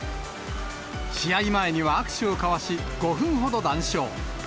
試合前には握手を交わし、５分ほど談笑。